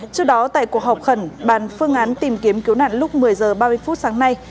trước đó tại cuộc họp khẩn bàn phương án tìm kiếm cứu nạn lúc một mươi h ba mươi phút sáng nay